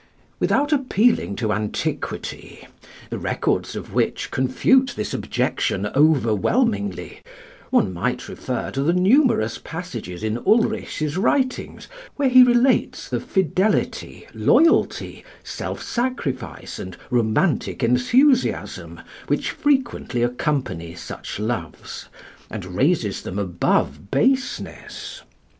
Without appealing to antiquity, the records of which confute this objection overwhelmingly, one might refer to the numerous passages in Ulrich's writings where he relates the fidelity, loyalty, self sacrifice, and romantic enthusiasm which frequently accompany such loves, and raises them above baseness.